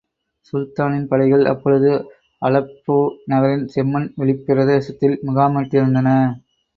சுல்தானின் படைகள் அப்பொழுது அலெப்போ நகரின் செம்மண் வெளிப் பிரதேசத்தில் முகாமிட்டிருந்தன.